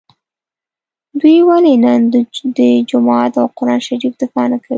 دوی ولي نن د جومات او قران شریف دفاع نکوي